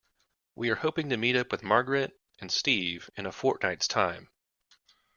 We are hoping to meet up with Margaret and Steve in a fortnight's time.